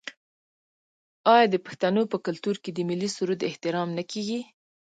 آیا د پښتنو په کلتور کې د ملي سرود احترام نه کیږي؟